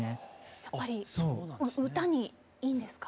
やっぱり歌にいいんですか？